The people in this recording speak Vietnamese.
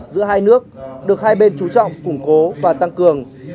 giữa hai nước được hai bên trú trọng củng cố và tăng cường